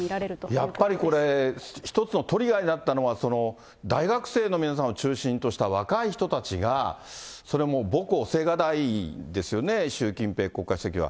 やっぱりこれ、１つのトリガーになったのは、大学生の皆さんを中心とした若い人たちが、それが母校、せいがだいいんですよね、習近平国家主席は。